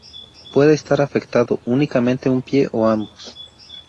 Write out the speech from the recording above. Puede estar afectado únicamente un pie o ambos.